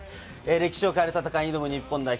歴史を変える戦いに挑む日本代表。